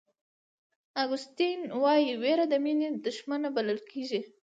اګوستین وایي وېره د مینې دښمنه بلل کېږي.